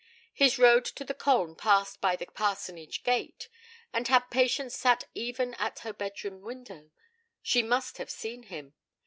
His road to the Colne passed by the parsonage gate, and had Patience sat even at her bedroom window she must have seen him.